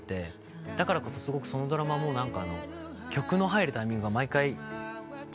だからこそすごくそのドラマも曲の入るタイミングが毎回違って。